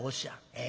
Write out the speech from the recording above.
ええ？